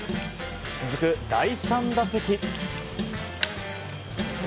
続く第３打席。